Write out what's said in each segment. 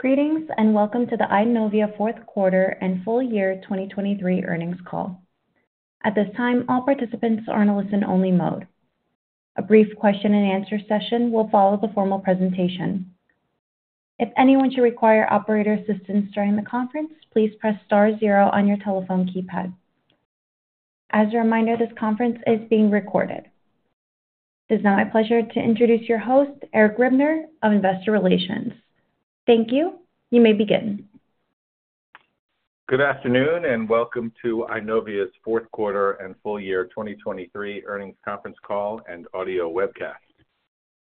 Greetings, and welcome to the Eyenovia fourth quarter and full year 2023 earnings call. At this time, all participants are in a listen-only mode. A brief question and answer session will follow the formal presentation. If anyone should require operator assistance during the conference, please press star zero on your telephone keypad. As a reminder, this conference is being recorded. It is now my pleasure to introduce your host, Eric Ribner of Investor Relations. Thank you. You may begin. Good afternoon, and welcome to Eyenovia's fourth quarter and full year 2023 earnings conference call and audio webcast.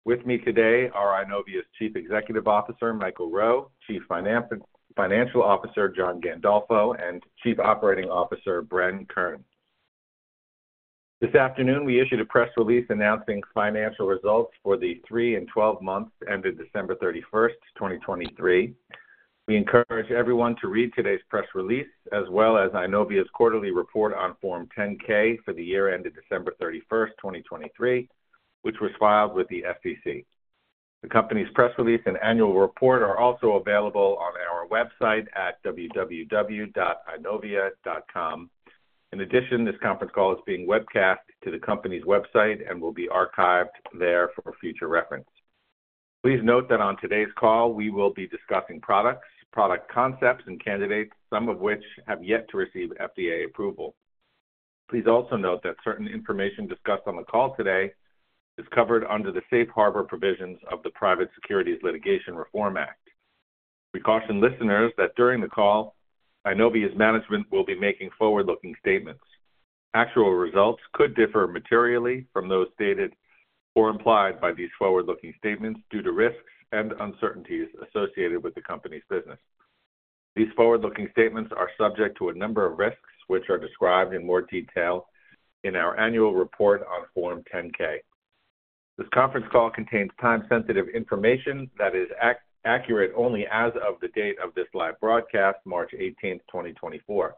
With me today are Eyenovia's Chief Executive Officer, Michael Rowe, Chief Financial Officer, John Gandolfo, and Chief Operating Officer, Bren Kern. This afternoon, we issued a press release announcing financial results for the 3 and 12 months ended December 31st, 2023. We encourage everyone to read today's press release, as well as Eyenovia's quarterly report on Form 10-K for the year ended December 31st, 2023, which was filed with the SEC. The company's press release and annual report are also available on our website at www.eyenovia.com. In addition, this conference call is being webcast to the company's website and will be archived there for future reference. Please note that on today's call, we will be discussing products, product concepts and candidates, some of which have yet to receive FDA approval. Please also note that certain information discussed on the call today is covered under the safe harbor provisions of the Private Securities Litigation Reform Act. We caution listeners that during the call, Eyenovia's management will be making forward-looking statements. Actual results could differ materially from those stated or implied by these forward-looking statements due to risks and uncertainties associated with the company's business. These forward-looking statements are subject to a number of risks, which are described in more detail in our annual report on Form 10-K. This conference call contains time-sensitive information that is accurate only as of the date of this live broadcast, March eighteenth, 2024.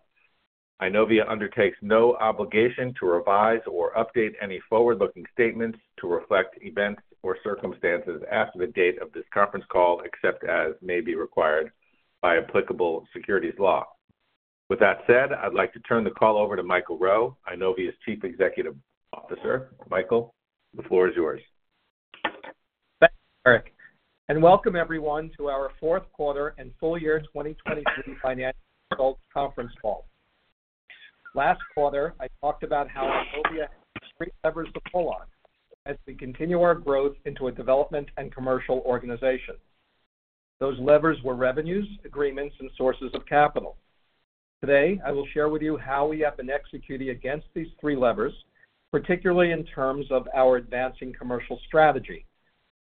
Eyenovia undertakes no obligation to revise or update any forward-looking statements to reflect events or circumstances after the date of this conference call, except as may be required by applicable securities law. With that said, I'd like to turn the call over to Michael Rowe, Eyenovia's Chief Executive Officer. Michael, the floor is yours. Thanks, Eric, and welcome everyone to our fourth quarter and full year 2023 financial results conference call. Last quarter, I talked about how Eyenovia leverages the Optejet as we continue our growth into a development and commercial organization. Those levers were revenues, agreements, and sources of capital. Today, I will share with you how we have been executing against these three levers, particularly in terms of our advancing commercial strategy,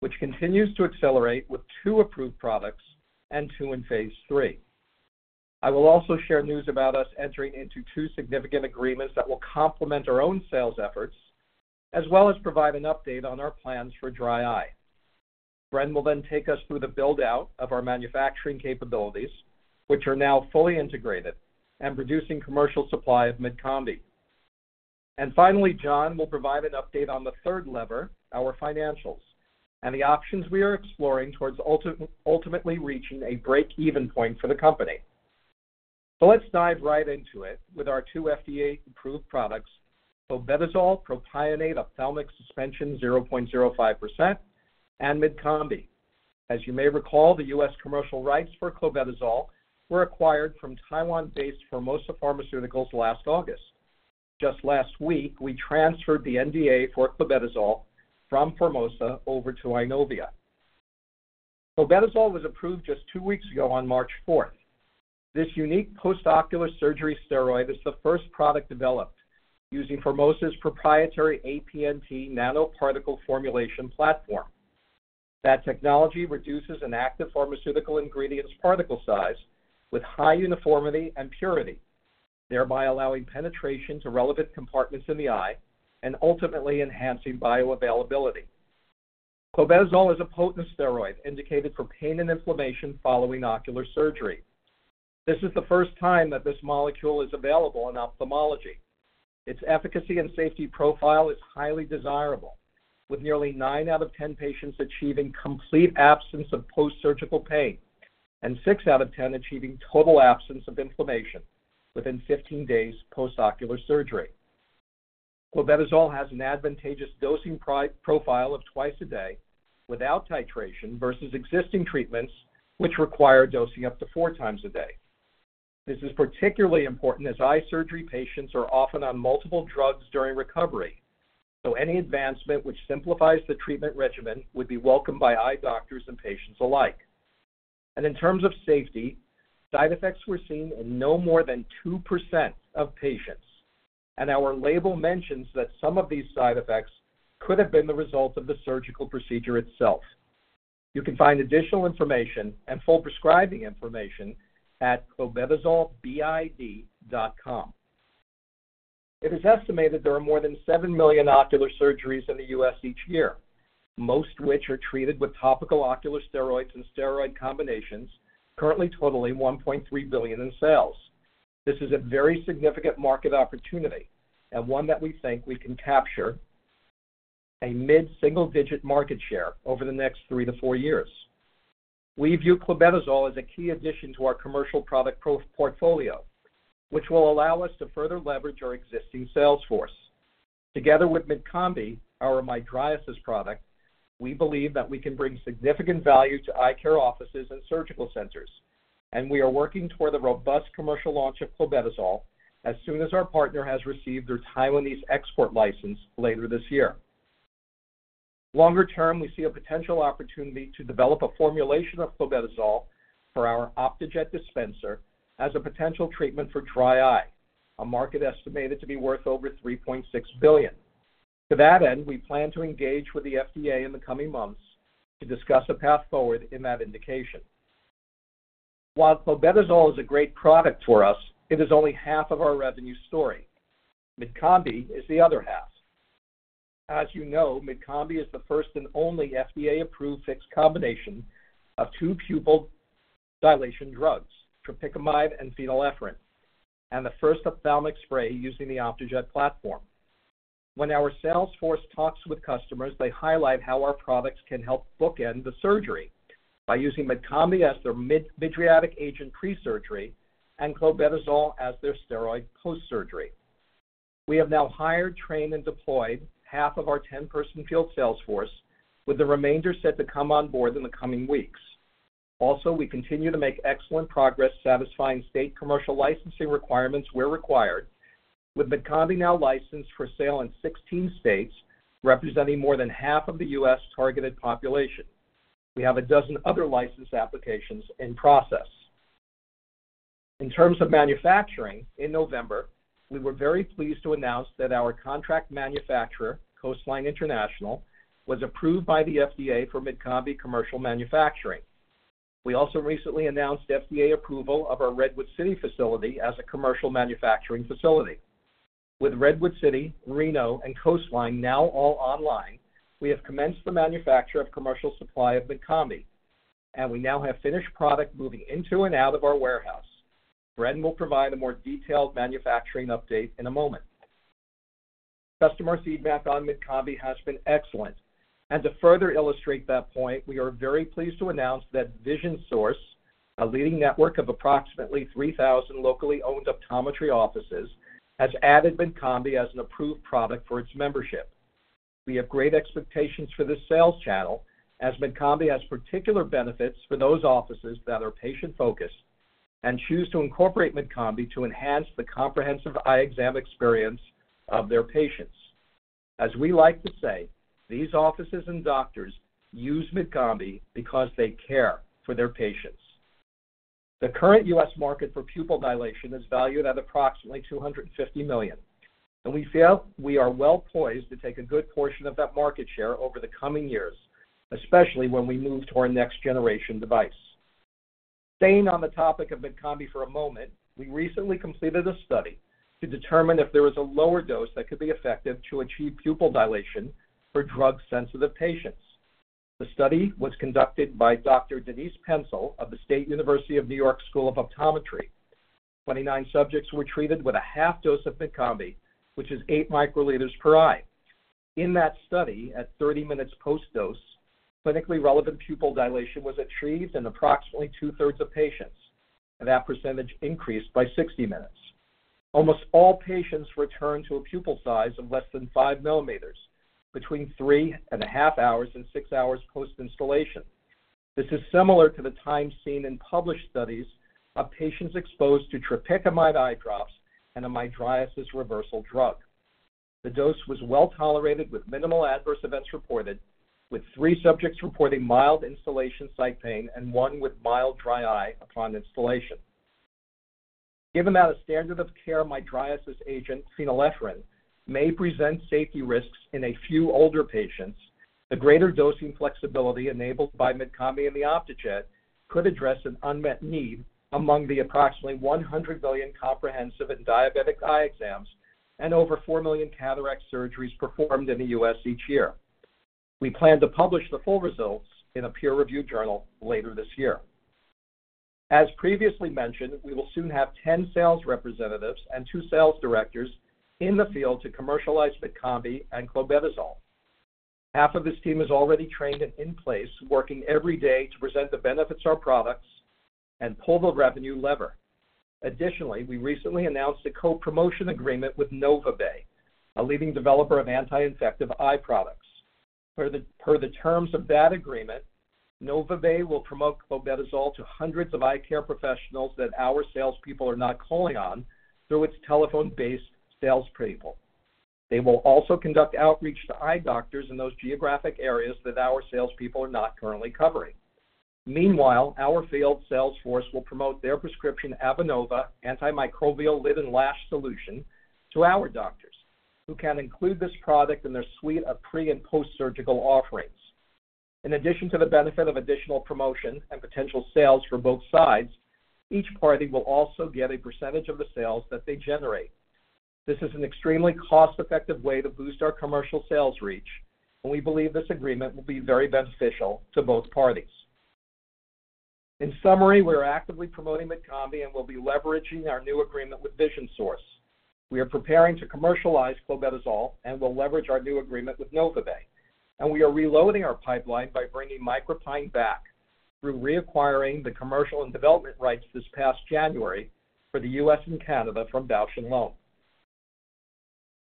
which continues to accelerate with two approved products and two in Phase 3. I will also share news about us entering into two significant agreements that will complement our own sales efforts, as well as provide an update on our plans for dry eye. Bren will then take us through the build-out of our manufacturing capabilities, which are now fully integrated and producing commercial supply of Mydcombi. Finally, John will provide an update on the third lever, our financials, and the options we are exploring towards ultimately reaching a break-even point for the company. Let's dive right into it with our two FDA-approved products, clobetasol propionate phthalmic suspension 0.05%, and Mydcombi. As you may recall, the U.S. commercial rights for clobetasol were acquired from Taiwan-based Formosa Pharmaceuticals last August. Just last week, we transferred the NDA for clobetasol from Formosa over to Eyenovia. Clobetasol was approved just two weeks ago on March fourth. This unique post-ocular surgery steroid is the first product developed using Formosa's proprietary APNT nanoparticle formulation platform. That technology reduces an active pharmaceutical ingredient's particle size with high uniformity and purity, thereby allowing penetration to relevant compartments in the eye and ultimately enhancing bioavailability. Clobetasol is a potent steroid indicated for pain and inflammation following ocular surgery. This is the first time that this molecule is available in ophthalmology. Its efficacy and safety profile is highly desirable, with nearly 9 out of 10 patients achieving complete absence of post-surgical pain and 6 out of 10 achieving total absence of inflammation within 15 days post-ocular surgery. Clobetasol has an advantageous dosing profile of twice a day without titration versus existing treatments, which require dosing up to four times a day. This is particularly important as eye surgery patients are often on multiple drugs during recovery, so any advancement which simplifies the treatment regimen would be welcomed by eye doctors and patients alike. In terms of safety, side effects were seen in no more than 2% of patients, and our label mentions that some of these side effects could have been the result of the surgical procedure itself. You can find additional information and full prescribing information at clobetasolbid.com. It is estimated there are more than 7 million ocular surgeries in the U.S. each year, most which are treated with topical ocular steroids and steroid combinations, currently totaling $1.3 billion in sales. This is a very significant market opportunity and one that we think we can capture... a mid-single-digit market share over the next 3-4 years. We view clobetasol as a key addition to our commercial product portfolio, which will allow us to further leverage our existing sales force. Together with Mydcombi, our mydriasis product, we believe that we can bring significant value to eye care offices and surgical centers, and we are working toward a robust commercial launch of clobetasol as soon as our partner has received their Taiwanese export license later this year. Longer term, we see a potential opportunity to develop a formulation of clobetasol for our Optejet dispenser as a potential treatment for dry eye, a market estimated to be worth over $3.6 billion. To that end, we plan to engage with the FDA in the coming months to discuss a path forward in that indication. While clobetasol is a great product for us, it is only half of our revenue story. Mydcombi is the other half. As you know, Mydcombi is the first and only FDA-approved fixed combination of two pupil dilation drugs, tropicamide and phenylephrine, and the first ophthalmic spray using the Optejet platform. When our sales force talks with customers, they highlight how our products can help bookend the surgery by using Mydcombi as their mid-mydriatic agent pre-surgery and clobetasol as their steroid post-surgery. We have now hired, trained, and deployed half of our 10-person field sales force, with the remainder set to come on board in the coming weeks. Also, we continue to make excellent progress satisfying state commercial licensing requirements where required, with Mydcombi now licensed for sale in 16 states, representing more than half of the U.S. targeted population. We have 12 other license applications in process. In terms of manufacturing, in November, we were very pleased to announce that our contract manufacturer, Coastline International, was approved by the FDA for Mydcombi commercial manufacturing. We also recently announced FDA approval of our Redwood City facility as a commercial manufacturing facility. With Redwood City, Reno, and Coastline now all online, we have commenced the manufacture of commercial supply of Mydcombi, and we now have finished product moving into and out of our warehouse. Bren will provide a more detailed manufacturing update in a moment. Customer feedback on Mydcombi has been excellent, and to further illustrate that point, we are very pleased to announce that Vision Source, a leading network of approximately 3,000 locally owned optometry offices, has added Mydcombi as an approved product for its membership. We have great expectations for this sales channel, as Mydcombi has particular benefits for those offices that are patient-focused and choose to incorporate Mydcombi to enhance the comprehensive eye exam experience of their patients. As we like to say, these offices and doctors use Mydcombi because they care for their patients. The current U.S. market for pupil dilation is valued at approximately $250 million, and we feel we are well poised to take a good portion of that market share over the coming years, especially when we move to our next-generation device. Staying on the topic of Mydcombi for a moment, we recently completed a study to determine if there was a lower dose that could be effective to achieve pupil dilation for drug-sensitive patients. The study was conducted by Dr. Denise Pensyl of the State University of New York College of Optometry. 29 subjects were treated with a half dose of Mydcombi, which is 8 microliters per eye. In that study, at 30 minutes post-dose, clinically relevant pupil dilation was achieved in approximately two-thirds of patients, and that percentage increased by 60 minutes. Almost all patients returned to a pupil size of less than 5 millimeters between three and a half hours and 6 hours post-instillation. This is similar to the time seen in published studies of patients exposed to tropicamide eye drops and a mydriasis reversal drug. The dose was well tolerated, with minimal adverse events reported, with three subjects reporting mild instillation site pain and one with mild dry eye upon instillation. Given that a standard of care mydriasis agent, phenylephrine, may present safety risks in a few older patients, the greater dosing flexibility enabled by Mydcombi and the Optejet could address an unmet need among the approximately 100 million comprehensive and diabetic eye exams and over 4 million cataract surgeries performed in the U.S. each year. We plan to publish the full results in a peer-reviewed journal later this year. As previously mentioned, we will soon have 10 sales representatives and 2 sales directors in the field to commercialize mydcombi and clobetasol. Half of this team is already trained and in place, working every day to present the benefits of our products and pull the revenue lever. Additionally, we recently announced a co-promotion agreement with NovaBay, a leading developer of anti-infective eye products. Per the terms of that agreement, NovaBay will promote clobetasol to hundreds of eye care professionals that our salespeople are not calling on through its telephone-based sales people. They will also conduct outreach to eye doctors in those geographic areas that our salespeople are not currently covering. Meanwhile, our field sales force will promote their prescription, Avenova Antimicrobial Lid and Lash Solution, to our doctors, who can include this product in their suite of pre and post-surgical offerings. In addition to the benefit of additional promotion and potential sales for both sides, each party will also get a percentage of the sales that they generate. This is an extremely cost-effective way to boost our commercial sales reach, and we believe this agreement will be very beneficial to both parties. In summary, we are actively promoting Mydcombi, and we'll be leveraging our new agreement with Vision Source. We are preparing to commercialize clobetasol, and we'll leverage our new agreement with NovaBay, and we are reloading our pipeline by bringing MicroPine back through reacquiring the commercial and development rights this past January for the U.S. and Canada from Bausch + Lomb.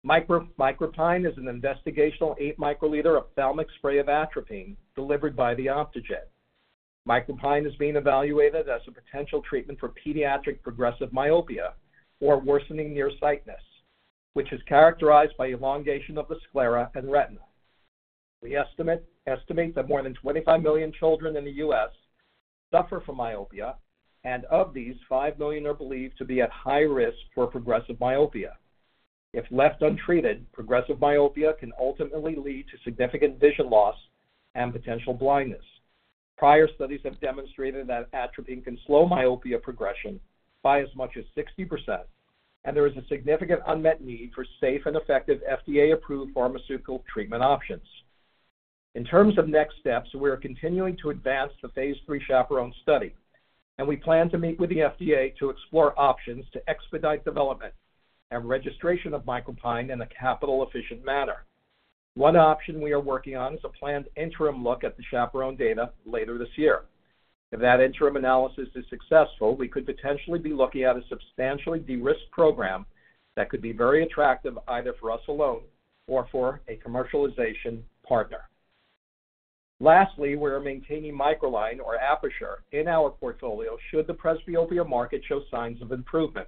MicroPine is an investigational eight microliter ophthalmic spray of atropine delivered by the Optejet. MicroPine is being evaluated as a potential treatment for pediatric progressive myopia or worsening nearsightedness, which is characterized by elongation of the sclera and retina. We estimate that more than 25 million children in the U.S. suffer from myopia, and of these, 5 million are believed to be at high risk for progressive myopia. If left untreated, progressive myopia can ultimately lead to significant vision loss and potential blindness. Prior studies have demonstrated that atropine can slow myopia progression by as much as 60%, and there is a significant unmet need for safe and effective FDA-approved pharmaceutical treatment options. In terms of next steps, we are continuing to advance the Phase 3 CHAPERONE study, and we plan to meet with the FDA to explore options to expedite development and registration of MicroPine in a capital-efficient manner. One option we are working on is a planned interim look at the CHAPERONE data later this year. If that interim analysis is successful, we could potentially be looking at a substantially de-risked program that could be very attractive either for us alone or for a commercialization partner. Lastly, we are maintaining MicroLine or aperture in our portfolio should the presbyopia market show signs of improvement.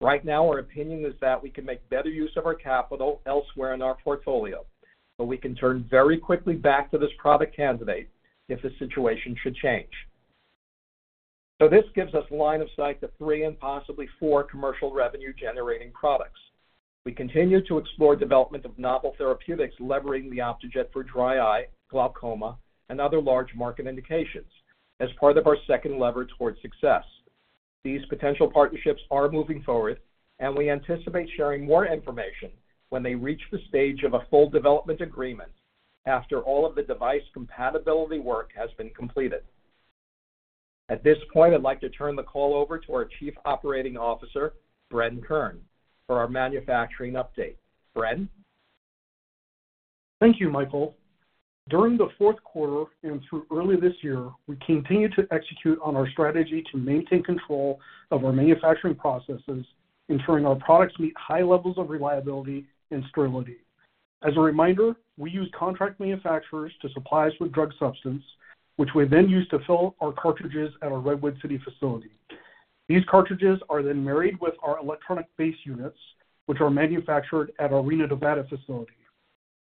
Right now, our opinion is that we can make better use of our capital elsewhere in our portfolio, but we can turn very quickly back to this product candidate if the situation should change. So this gives us line of sight to three and possibly four commercial revenue-generating products. We continue to explore development of novel therapeutics, leveraging the Optejet for dry eye, glaucoma, and other large market indications as part of our second lever towards success. These potential partnerships are moving forward, and we anticipate sharing more information when they reach the stage of a full development agreement after all of the device compatibility work has been completed. At this point, I'd like to turn the call over to our Chief Operating Officer, Bren Kern, for our manufacturing update. Bren? Thank you, Michael. During the fourth quarter and through early this year, we continued to execute on our strategy to maintain control of our manufacturing processes, ensuring our products meet high levels of reliability and sterility. As a reminder, we use contract manufacturers to supply us with drug substance, which we then use to fill our cartridges at our Redwood City facility. These cartridges are then married with our electronic base units, which are manufactured at our Reno, Nevada, facility.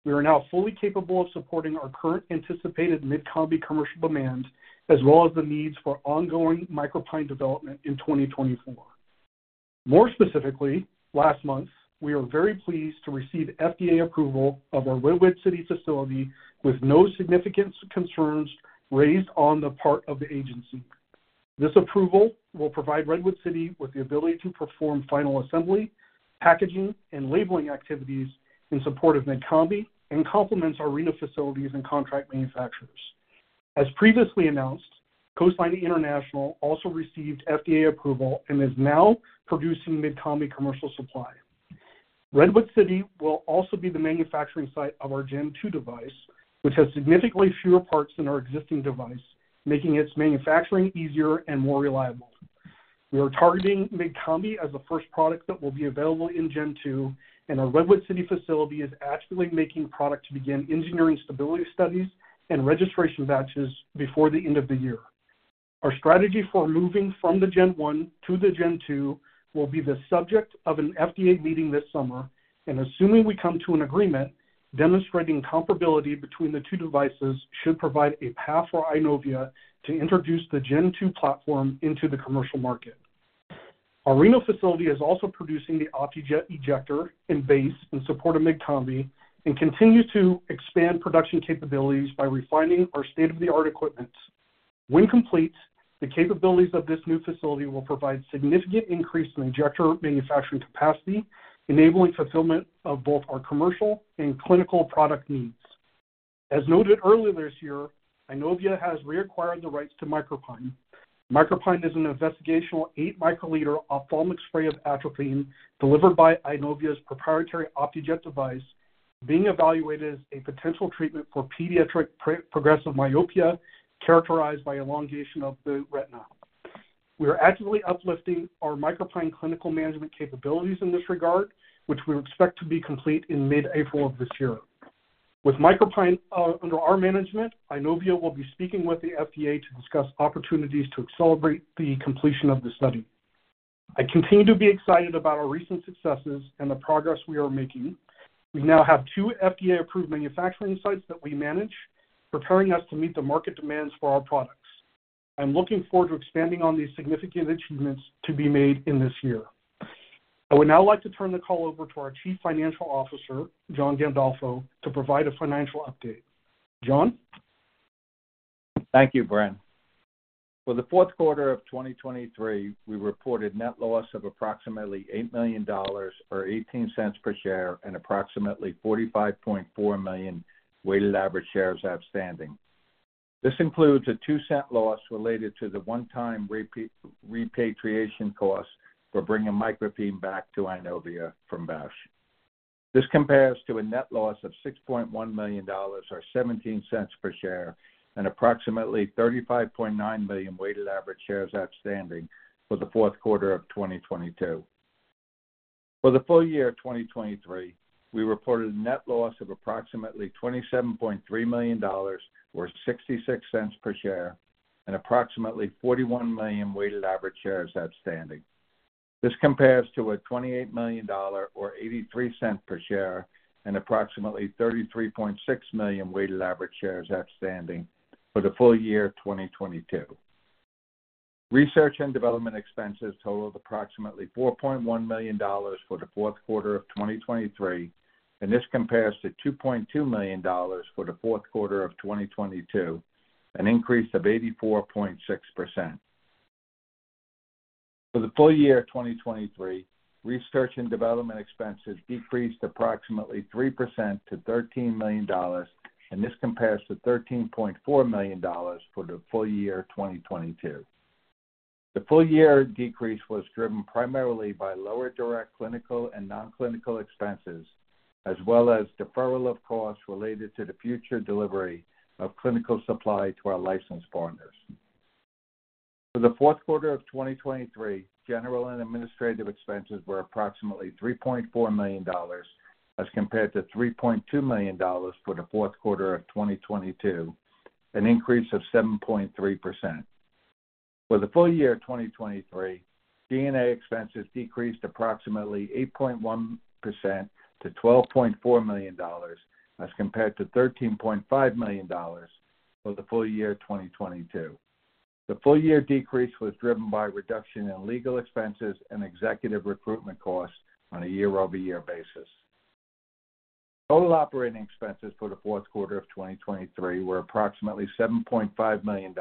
We are now fully capable of supporting our current anticipated Mydcombi commercial demand, as well as the needs for ongoing MicroPine development in 2024. More specifically, last month, we are very pleased to receive FDA approval of our Redwood City facility with no significant concerns raised on the part of the agency. This approval will provide Redwood City with the ability to perform final assembly, packaging, and labeling activities in support of Mydcombi, and complements our Reno facilities and contract manufacturers. As previously announced, Coastline International also received FDA approval and is now producing Mydcombi commercial supply. Redwood City will also be the manufacturing site of our Gen-2 device, which has significantly fewer parts than our existing device, making its manufacturing easier and more reliable. We are targeting Mydcombi as the first product that will be available in Gen-2, and our Redwood City facility is actively making product to begin engineering stability studies and registration batches before the end of the year. Our strategy for moving from the Gen one to the Gen two will be the subject of an FDA meeting this summer, and assuming we come to an agreement, demonstrating comparability between the two devices should provide a path for Eyenovia to introduce the Gen two platform into the commercial market. Our Reno facility is also producing the Optejet ejector and base in support of Mydcombi and continues to expand production capabilities by refining our state-of-the-art equipment. When complete, the capabilities of this new facility will provide significant increase in injector manufacturing capacity, enabling fulfillment of both our commercial and clinical product needs. As noted earlier this year, Eyenovia has reacquired the rights to MicroPine. MicroPine is an investigational 8-microliter ophthalmic spray of atropine delivered by Eyenovia's proprietary Optejet device, being evaluated as a potential treatment for pediatric progressive myopia, characterized by elongation of the retina. We are actively uplifting our MicroPine clinical management capabilities in this regard, which we expect to be complete in mid-April of this year. With MicroPine under our management, Eyenovia will be speaking with the FDA to discuss opportunities to accelerate the completion of the study. I continue to be excited about our recent successes and the progress we are making. We now have two FDA-approved manufacturing sites that we manage, preparing us to meet the market demands for our products. I'm looking forward to expanding on these significant achievements to be made in this year. I would now like to turn the call over to our Chief Financial Officer, John Gandolfo, to provide a financial update. John? Thank you, Bren. For the fourth quarter of 2023, we reported net loss of approximately $8 million, or $0.18 per share, and approximately 45.4 million weighted average shares outstanding.... This includes a $0.02 loss related to the one-time repatriation cost for bringing MicroPine back to Eyenovia from Bausch + Lomb. This compares to a net loss of $6.1 million, or $0.17 per share, and approximately 35.9 million weighted average shares outstanding for the fourth quarter of 2022. For the full year of 2023, we reported a net loss of approximately $27.3 million, or $0.66 per share, and approximately 41 million weighted average shares outstanding. This compares to a $28 million dollar or $0.83 per share and approximately 33.6 million weighted average shares outstanding for the full year of 2022. Research and development expenses totaled approximately $4.1 million for the fourth quarter of 2023, and this compares to $2.2 million for the fourth quarter of 2022, an increase of 84.6%. For the full year of 2023, research and development expenses decreased approximately 3% to $13 million, and this compares to $13.4 million for the full year 2022. The full year decrease was driven primarily by lower direct clinical and non-clinical expenses, as well as deferral of costs related to the future delivery of clinical supply to our licensed partners. For the fourth quarter of 2023, general and administrative expenses were approximately $3.4 million, as compared to $3.2 million for the fourth quarter of 2022, an increase of 7.3%. For the full year of 2023, G&A expenses decreased approximately 8.1% to $12.4 million, as compared to $13.5 million for the full year of 2022. The full year decrease was driven by reduction in legal expenses and executive recruitment costs on a year-over-year basis. Total operating expenses for the fourth quarter of 2023 were approximately $7.5 million,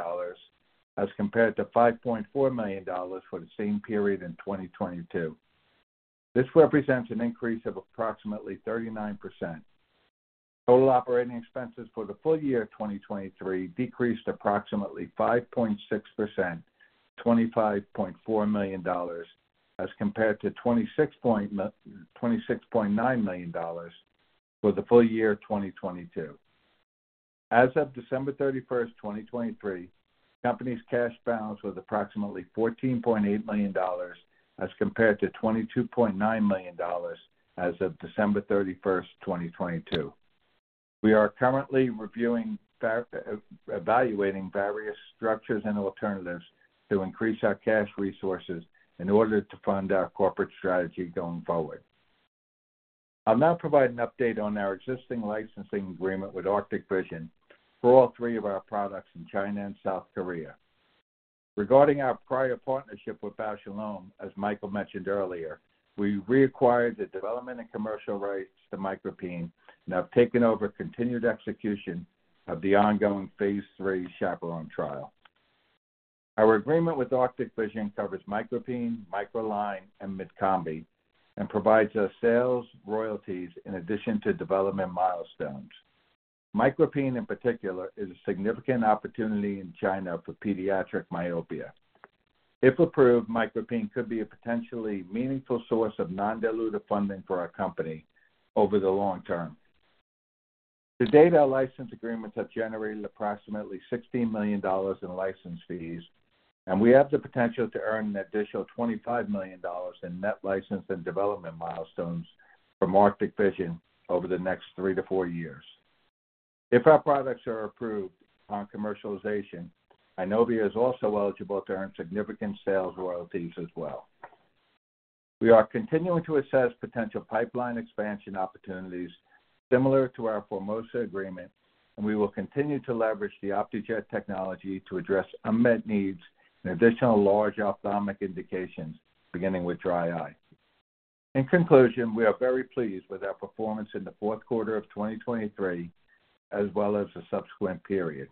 as compared to $5.4 million for the same period in 2022. This represents an increase of approximately 39%. Total operating expenses for the full year of 2023 decreased approximately 5.6%, $25.4 million, as compared to $26.9 million for the full year of 2022. As of December 31, 2023, the company's cash balance was approximately $14.8 million, as compared to $22.9 million as of December 31, 2022. We are currently evaluating various structures and alternatives to increase our cash resources in order to fund our corporate strategy going forward. I'll now provide an update on our existing licensing agreement with Arctic Vision for all three of our products in China and South Korea. Regarding our prior partnership with Bausch + Lomb, as Michael mentioned earlier, we reacquired the development and commercial rights to MicroPine and have taken over continued execution of the ongoing Phase 3 CHAPERONE trial. Our agreement with Arctic Vision covers MicroPine, MicroLine, and Mydcombi, and provides us sales royalties in addition to development milestones. MicroPine, in particular, is a significant opportunity in China for pediatric myopia. If approved, MicroPine could be a potentially meaningful source of non-dilutive funding for our company over the long term. To date, our license agreements have generated approximately $16 million in license fees, and we have the potential to earn an additional $25 million in net license and development milestones from Arctic Vision over the next 3 years-4 years. If our products are approved on commercialization, Eyenovia is also eligible to earn significant sales royalties as well. We are continuing to assess potential pipeline expansion opportunities similar to our Formosa agreement, and we will continue to leverage the Optejet technology to address unmet needs in additional large ophthalmic indications, beginning with dry eye. In conclusion, we are very pleased with our performance in the fourth quarter of 2023, as well as the subsequent period.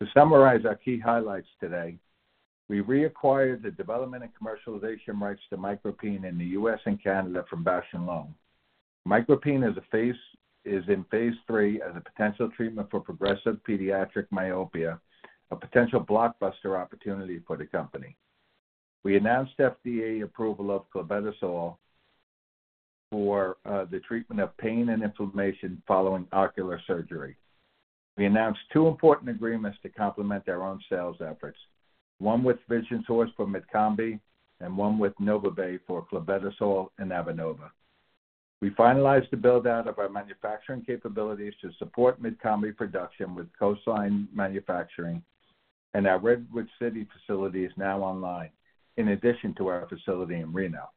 To summarize our key highlights today, we reacquired the development and commercialization rights to MicroPine in the US and Canada from Bausch + Lomb. MicroPine is in Phase III as a potential treatment for progressive pediatric myopia, a potential blockbuster opportunity for the company. We announced FDA approval of clobetasol for the treatment of pain and inflammation following ocular surgery. We announced two important agreements to complement our own sales efforts, one with Vision Source for Mydcombi and one with NovaBay for clobetasol and Avenova. We finalized the build-out of our manufacturing capabilities to support Mydcombi production with Coastline Manufacturing, and our Redwood City facility is now online, in addition to our facility in Reno.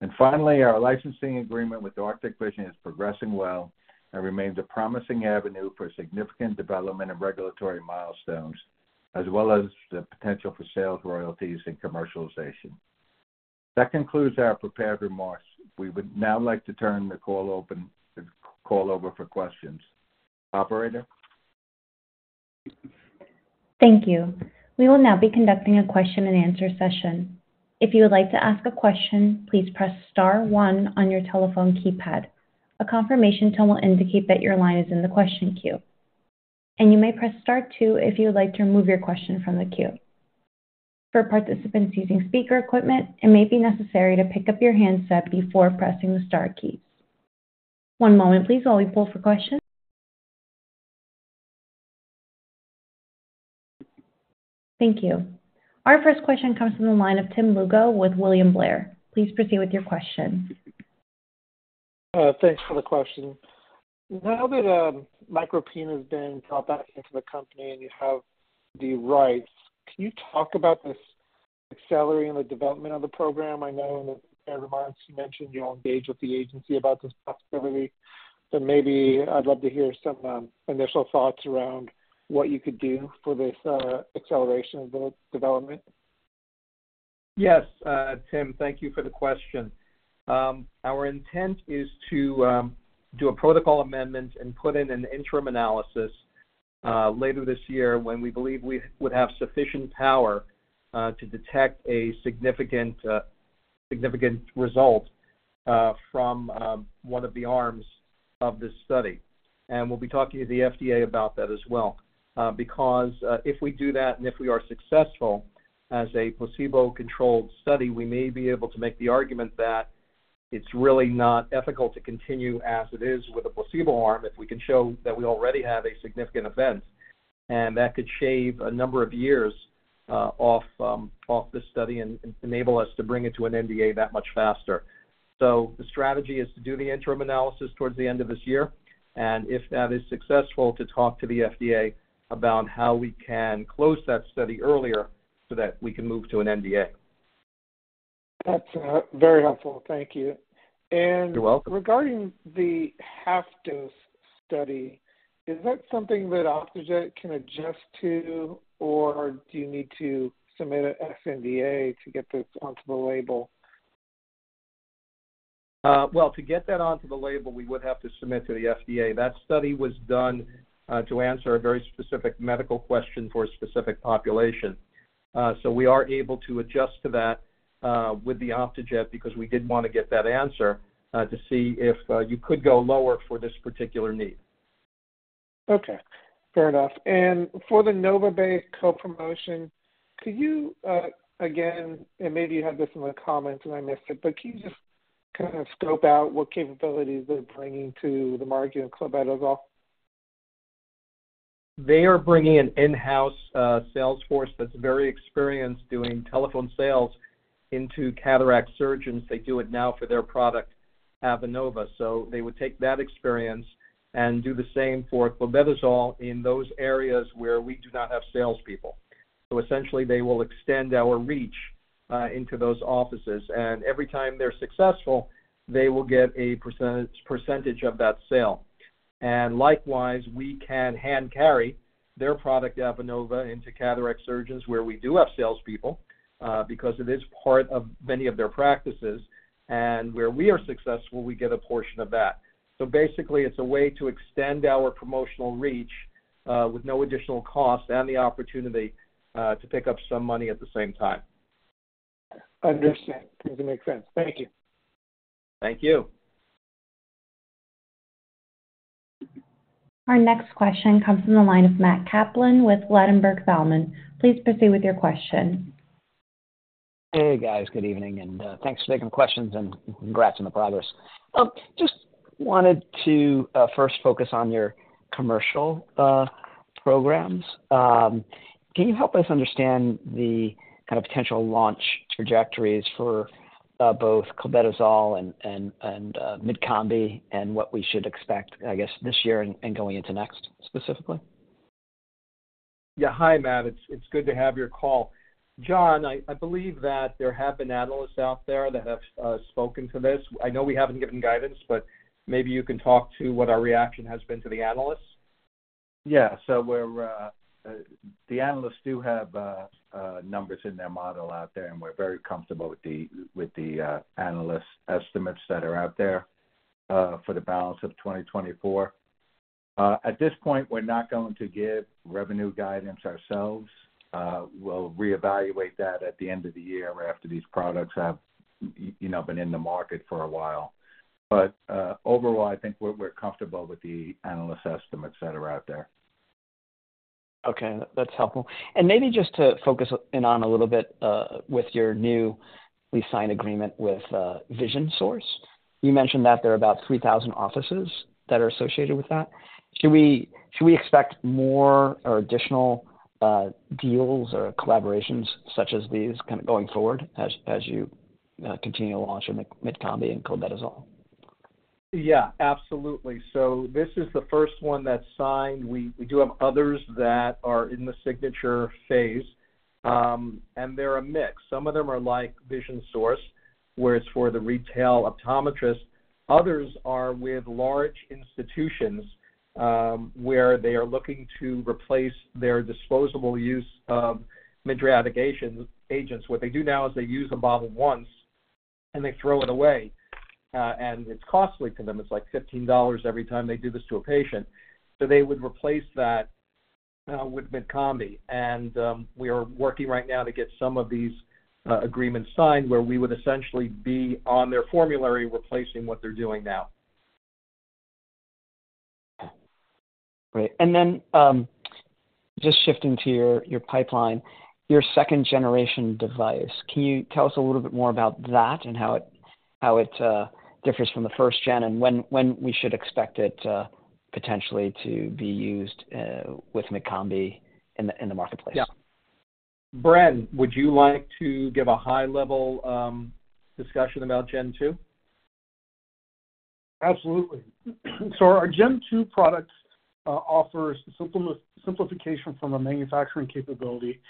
And finally, our licensing agreement with Arctic Vision is progressing well and remains a promising avenue for significant development and regulatory milestones, as well as the potential for sales, royalties, and commercialization. That concludes our prepared remarks. We would now like to turn the call open, the call over for questions. Operator? Thank you. We will now be conducting a question and answer session. If you would like to ask a question, please press star one on your telephone keypad... A confirmation tone will indicate that your line is in the question queue, and you may press star two if you would like to remove your question from the queue. For participants using speaker equipment, it may be necessary to pick up your handset before pressing the star key. One moment please, while we poll for questions. Thank you. Our first question comes from the line of Tim Lugo with William Blair. Please proceed with your question. Thanks for the question. Now that, MicroPine has been brought back into the company and you have the rights, can you talk about this accelerating the development of the program? I know that, And you, Michael, you mentioned you'll engage with the agency about this possibility, but maybe I'd love to hear some, initial thoughts around what you could do for this, acceleration of the development. Yes, Tim, thank you for the question. Our intent is to do a protocol amendment and put in an interim analysis later this year, when we believe we would have sufficient power to detect a significant significant result from one of the arms of this study. And we'll be talking to the FDA about that as well, because if we do that, and if we are successful as a placebo-controlled study, we may be able to make the argument that it's really not ethical to continue as it is with a placebo arm, if we can show that we already have a significant event. And that could shave a number of years off this study and enable us to bring it to an NDA that much faster. The strategy is to do the interim analysis toward the end of this year, and if that is successful, to talk to the FDA about how we can close that study earlier so that we can move to an NDA. That's very helpful. Thank you. You're welcome. Regarding the half-dose study, is that something that Optejet can adjust to, or do you need to submit an sNDA to get this onto the label? Well, to get that onto the label, we would have to submit to the FDA. That study was done to answer a very specific medical question for a specific population. So we are able to adjust to that with the Optejet because we did want to get that answer to see if you could go lower for this particular need. Okay, fair enough. And for the NovaBay co-promotion, could you, again, and maybe you had this in the comments and I missed it, but can you just kind of scope out what capabilities they're bringing to the margin of clobetasol? They are bringing an in-house sales force that's very experienced doing telephone sales into cataract surgeons. They do it now for their product, Avenova. So they would take that experience and do the same for clobetasol in those areas where we do not have salespeople. So essentially, they will extend our reach into those offices, and every time they're successful, they will get a percentage, percentage of that sale. And likewise, we can hand carry their product, Avenova, into cataract surgeons, where we do have salespeople because it is part of many of their practices, and where we are successful, we get a portion of that. So basically, it's a way to extend our promotional reach with no additional cost and the opportunity to pick up some money at the same time. Understand. Seems to make sense. Thank you. Thank you. Our next question comes from the line of Matt Kaplan with Ladenburg Thalmann. Please proceed with your question. Hey, guys. Good evening, and thanks for taking the questions, and congrats on the progress. Just wanted to first focus on your commercial programs. Can you help us understand the kind of potential launch trajectories for both clobetasol and Mydcombi, and what we should expect, I guess, this year and going into next, specifically? Yeah. Hi, Matt. It's good to have your call. John, I believe that there have been analysts out there that have spoken to this. I know we haven't given guidance, but maybe you can talk to what our reaction has been to the analysts. Yeah, so the analysts do have numbers in their model out there, and we're very comfortable with the analysts' estimates that are out there for the balance of 2024. At this point, we're not going to give revenue guidance ourselves. We'll reevaluate that at the end of the year after these products have, you know, been in the market for a while. But overall, I think we're comfortable with the analyst estimates that are out there. Okay, that's helpful. Maybe just to focus in on a little bit with your newly signed agreement with Vision Source. You mentioned that there are about 3,000 offices that are associated with that. Should we, should we expect more or additional deals or collaborations such as these kind of going forward as you continue to launch Mydcombi and clobetasol? Yeah, absolutely. So this is the first one that's signed. We do have others that are in the signature phase, and they're a mix. Some of them are like Vision Source, where it's for the retail optometrist. Others are with large institutions, where they are looking to replace their disposable use of mydriatic agents. What they do now is they use the bottle once, and they throw it away, and it's costly to them. It's like $15 every time they do this to a patient. So they would replace that with Mydcombi. And we are working right now to get some of these agreements signed, where we would essentially be on their formulary, replacing what they're doing now. Great. And then, just shifting to your pipeline, your second-generation device. Can you tell us a little bit more about that and how it differs from the first gen, and when we should expect it potentially to be used with Mydcombi in the marketplace? Yeah. Bren, would you like to give a high-level discussion about Gen-2? Absolutely. So our Gen-2 products offers simplification from a manufacturing capability,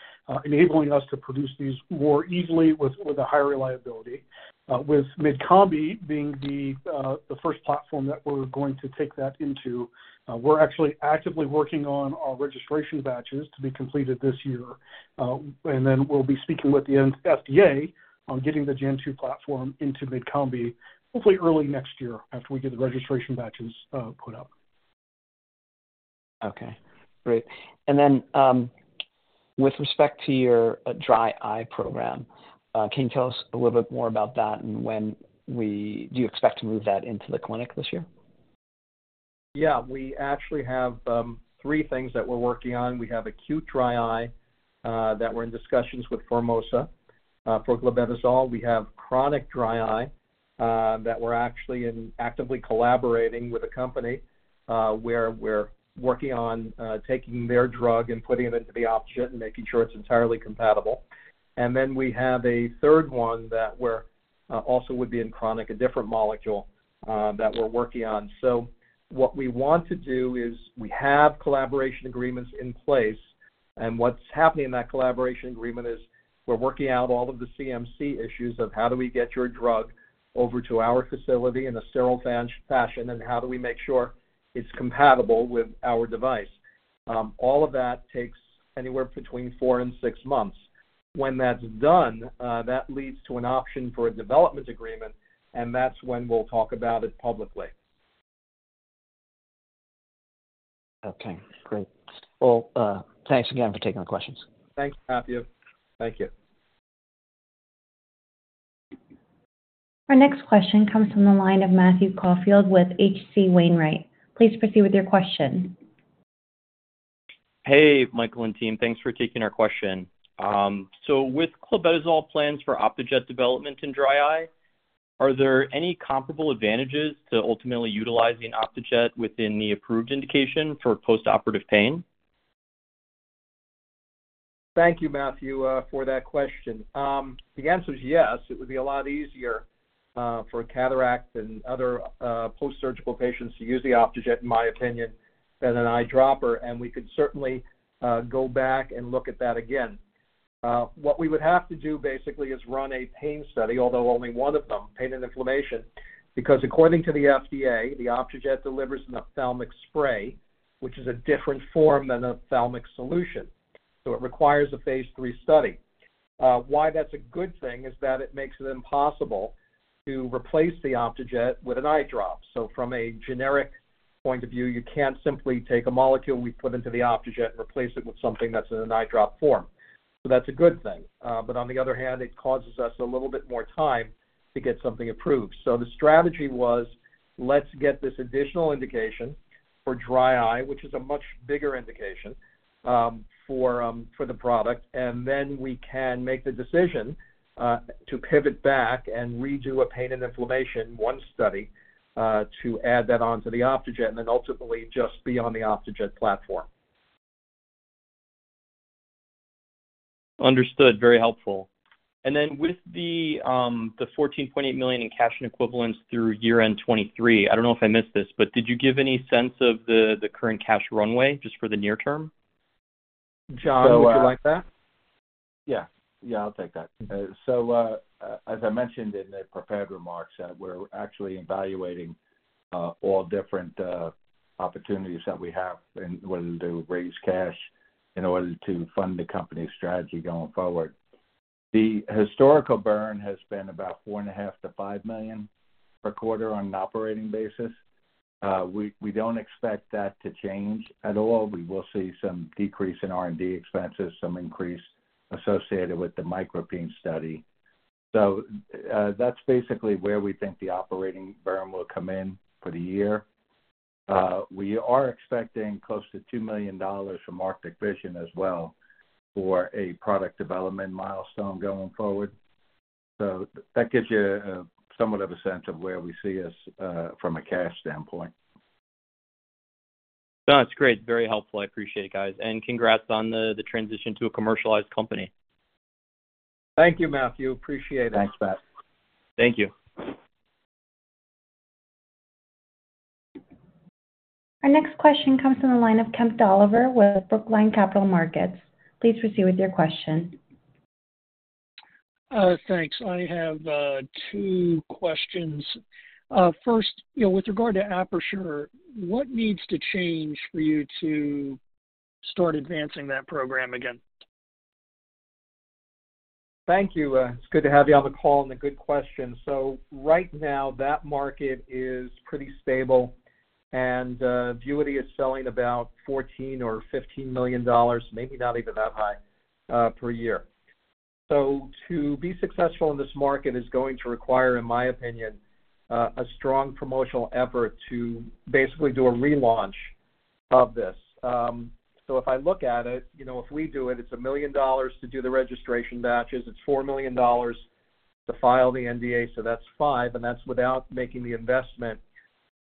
enabling us to produce these more easily with a higher reliability. With Mydcombi being the first platform that we're going to take that into, we're actually actively working on our registration batches to be completed this year. And then we'll be speaking with the FDA on getting the Gen-2 platform into Mydcombi, hopefully early next year after we get the registration batches put out. Okay, great. And then, with respect to your dry eye program, can you tell us a little bit more about that and do you expect to move that into the clinic this year? Yeah, we actually have three things that we're working on. We have acute dry eye that we're in discussions with Formosa for clobetasol. We have chronic dry eye that we're actually in actively collaborating with a company where we're working on taking their drug and putting it into the Optejet and making sure it's entirely compatible. And then we have a third one that we're also would be in chronic, a different molecule that we're working on. So what we want to do is we have collaboration agreements in place, and what's happening in that collaboration agreement is we're working out all of the CMC issues of how do we get your drug over to our facility in a sterile fashion, and how do we make sure it's compatible with our device? All of that takes anywhere between 4 and 6 months. When that's done, that leads to an option for a development agreement, and that's when we'll talk about it publicly. Okay, great. Well, thanks again for taking our questions. Thanks, Matthew. Thank you. Our next question comes from the line of Matthew Caulfield, with H.C. Wainwright. Please proceed with your question. Hey, Michael and team. Thanks for taking our question. So with clobetasol plans for Optejet development in dry eye, are there any comparable advantages to ultimately utilizing Optejet within the approved indication for postoperative pain? Thank you, Matthew, for that question. The answer is yes. It would be a lot easier, for cataract and other, postsurgical patients to use the Optejet, in my opinion, than an eye dropper, and we could certainly, go back and look at that again. What we would have to do, basically, is run a pain study, although only one of them, pain and inflammation, because according to the FDA, the Optejet delivers an ophthalmic spray, which is a different form than an ophthalmic solution, so it requires a phase three study. Why that's a good thing is that it makes it impossible to replace the Optejet with an eye drop. So from a generic point of view, you can't simply take a molecule we put into the Optejet and replace it with something that's in an eye drop form. That's a good thing. But on the other hand, it causes us a little bit more time to get something approved. The strategy was, let's get this additional indication for dry eye, which is a much bigger indication, for the product, and then we can make the decision, to pivot back and redo a pain and inflammation one study, to add that on to the Optejet and then ultimately just be on the Optejet platform. Understood. Very helpful. And then with the 14.8 million in cash and equivalents through year-end 2023, I don't know if I missed this, but did you give any sense of the current cash runway just for the near term? John, would you like that? Yeah. Yeah, I'll take that. So, as I mentioned in the prepared remarks, that we're actually evaluating all different opportunities that we have in order to raise cash, in order to fund the company's strategy going forward. The historical burn has been about $4.5 million-$5 million per quarter on an operating basis. We, we don't expect that to change at all. We will see some decrease in R&D expenses, some increase associated with the MicroPine study. So, that's basically where we think the operating burn will come in for the year. We are expecting close to $2 million from Arctic Vision as well, for a product development milestone going forward. So that gives you, somewhat of a sense of where we see us, from a cash standpoint. No, that's great. Very helpful. I appreciate it, guys. And congrats on the transition to a commercialized company. Thank you, Matthew. Appreciate it. Thanks, Matt. Thank you. Our next question comes from the line of Kemp Dolliver with Brookline Capital Markets. Please proceed with your question. Thanks. I have two questions. First, you know, with regard to Aperture, what needs to change for you to start advancing that program again? ...Thank you. It's good to have you on the call, and a good question. So right now, that market is pretty stable, and Vuity is selling about $14-$15 million, maybe not even that high, per year. So to be successful in this market is going to require, in my opinion, a strong promotional effort to basically do a relaunch of this. So if I look at it, you know, if we do it, it's $1 million to do the registration batches, it's $4 million to file the NDA, so that's $5 million, and that's without making the investment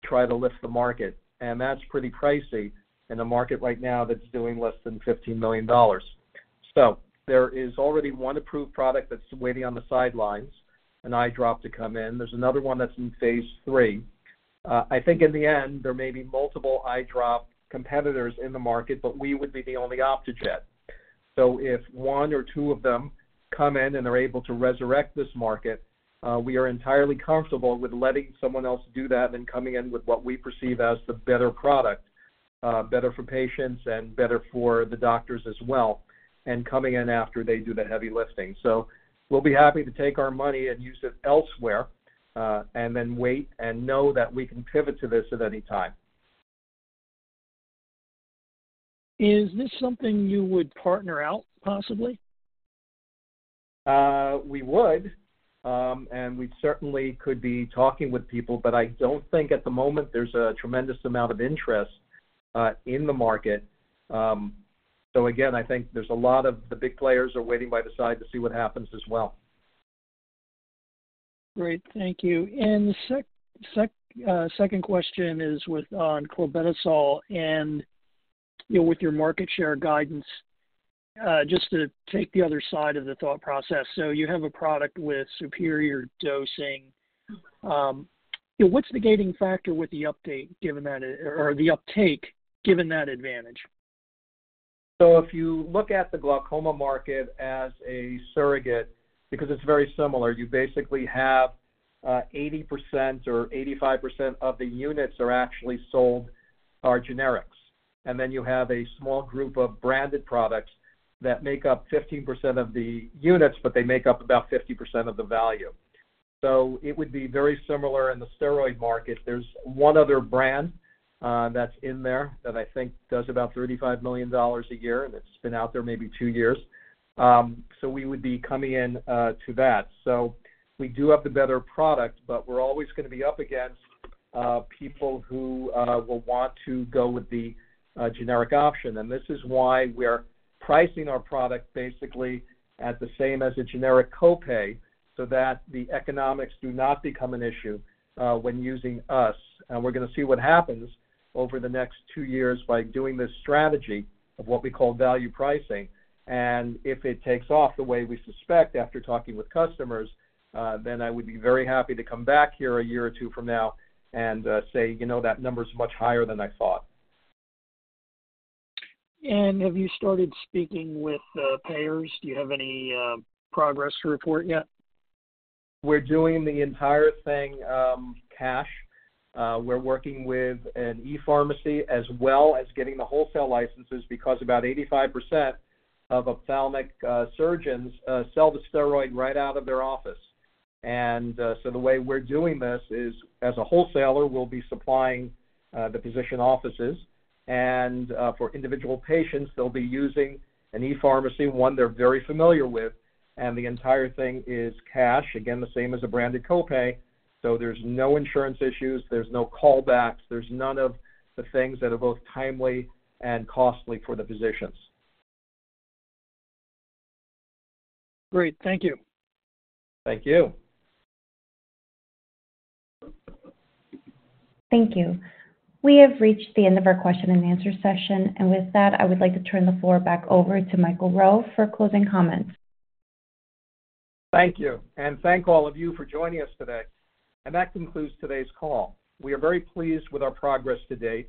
to try to lift the market. And that's pretty pricey in a market right now that's doing less than $15 million. So there is already one approved product that's waiting on the sidelines, an eye drop to come in. There's another one that's in Phase 3. I think in the end, there may be multiple eye drop competitors in the market, but we would be the only Optejet. So if one or two of them come in and are able to resurrect this market, we are entirely comfortable with letting someone else do that and coming in with what we perceive as the better product, better for patients and better for the doctors as well, and coming in after they do the heavy lifting. So we'll be happy to take our money and use it elsewhere, and then wait and know that we can pivot to this at any time. Is this something you would partner out, possibly? We would, and we certainly could be talking with people, but I don't think at the moment there's a tremendous amount of interest in the market. So again, I think there's a lot of the big players are waiting by the side to see what happens as well. Great, thank you. And second question is with on clobetasol and, you know, with your market share guidance, just to take the other side of the thought process. So you have a product with superior dosing. What's the gating factor with the update, given that, or the uptake, given that advantage? So if you look at the glaucoma market as a surrogate, because it's very similar, you basically have 80% or 85% of the units are actually sold are generics. And then you have a small group of branded products that make up 15% of the units, but they make up about 50% of the value. So it would be very similar in the steroid market. There's one other brand that's in there that I think does about $35 million a year, and it's been out there maybe 2 years. So we would be coming in to that. So we do have the better product, but we're always gonna be up against people who will want to go with the generic option. This is why we're pricing our product basically at the same as a generic copay, so that the economics do not become an issue when using us. We're gonna see what happens over the next two years by doing this strategy of what we call value pricing. If it takes off the way we suspect after talking with customers, then I would be very happy to come back here a year or two from now and say, "You know, that number is much higher than I thought. Have you started speaking with payers? Do you have any progress to report yet? We're doing the entire thing cash. We're working with an e-pharmacy as well as getting the wholesale licenses, because about 85% of ophthalmic surgeons sell the steroid right out of their office. And so the way we're doing this is, as a wholesaler, we'll be supplying the physician offices, and for individual patients, they'll be using an e-pharmacy, one they're very familiar with, and the entire thing is cash. Again, the same as a branded copay, so there's no insurance issues, there's no callbacks, there's none of the things that are both timely and costly for the physicians. Great, thank you. Thank you. Thank you. We have reached the end of our question and answer session, and with that, I would like to turn the floor back over to Michael Rowe for closing comments. Thank you, and thank all of you for joining us today. That concludes today's call. We are very pleased with our progress to date,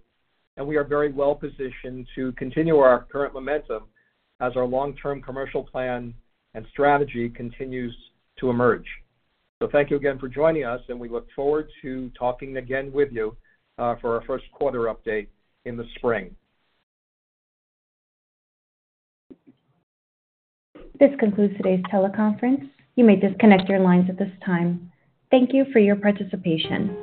and we are very well positioned to continue our current momentum as our long-term commercial plan and strategy continues to emerge. Thank you again for joining us, and we look forward to talking again with you for our first quarter update in the spring. This concludes today's teleconference. You may disconnect your lines at this time. Thank you for your participation.